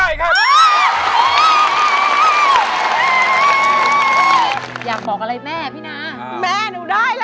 ได้ใครนี่แล้ว